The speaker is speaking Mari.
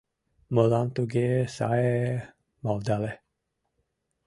— Мылам туге сае-е... — малдале.